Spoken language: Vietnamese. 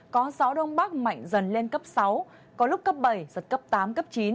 có gió đông bắc mạnh dần lên cấp sáu có lúc cấp bảy giật cấp tám cấp chín